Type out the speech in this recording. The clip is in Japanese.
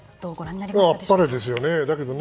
あっぱれですよね。